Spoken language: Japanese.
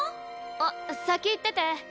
あっ先行ってて。